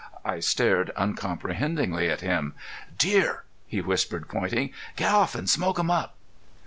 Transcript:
I stared uncomprehendingly at him. "Deer!" he whispered, pointing. "Get off an' smoke 'em up!"